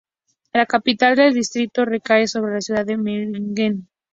La capital del distrito recae sobre la ciudad de Meiningen.